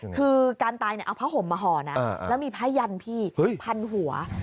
คือการตายเอาผ้าห่มมาห่อนะแล้วมีผ้ายันพี่พันหัว